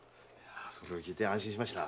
それを聞いて安心しました。